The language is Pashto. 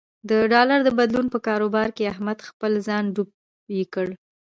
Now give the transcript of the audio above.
د ډالر د بدلون په کاروبار کې احمد خپل ځان ډوب یې کړ.